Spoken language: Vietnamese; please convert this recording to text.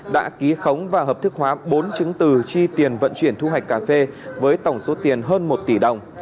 đã ký khống và hợp thức hóa bốn chứng từ chi tiền vận chuyển thu hoạch cà phê với tổng số tiền hơn một tỷ đồng